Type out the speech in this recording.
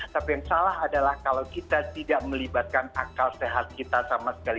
tapi yang salah adalah kalau kita tidak melibatkan akal sehat kita sama sekali